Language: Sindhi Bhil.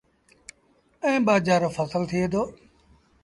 ائيٚݩ ٻآجھر رو ڦسل ٿئي دو۔